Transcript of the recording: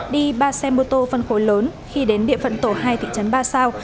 đi ba xe mô tô phân khối lớn khi đến địa phận tổ hai thị trấn ba sao